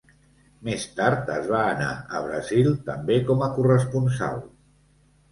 Més tard es va anar a Brasil, també com a corresponsal.